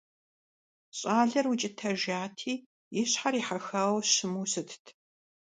Щӏалэр укӀытэжати, и щхьэр ехьэхауэ щыму щытт.